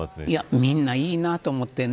みんないいなと思ってね。